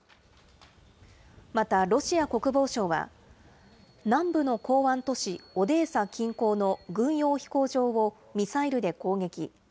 またロシア国防省は、南部の港湾都市オデーサ近郊の軍用飛行場をミサイルで攻撃。